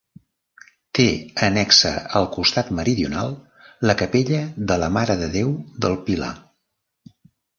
Té annexa al costat meridional la capella de la Mare de Déu del Pilar.